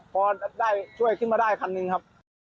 พอช่วยขึ้นมาได้๑คันครับ